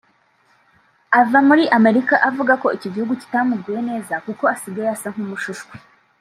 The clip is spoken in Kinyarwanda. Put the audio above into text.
ava muri Amerika avuga ko icyo gihugu kitamuguye neza kuko asigaye asa n’umushushwe